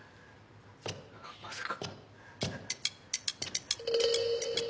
まさか。